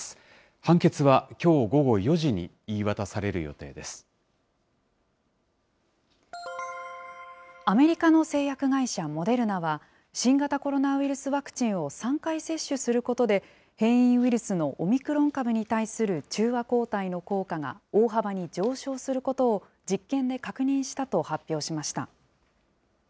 判決はきょう午後４時に言い渡さアメリカの製薬会社、モデルナは、新型コロナウイルスワクチンを３回接種することで、変異ウイルスのオミクロン株に対する中和抗体の効果が大幅に上昇することを実験で確認したと発表しました。